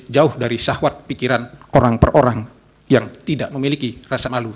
jauh dari sahwat pikiran orang per orang yang tidak memiliki rasa malu